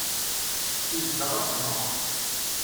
Izdeɣ agemmaḍ.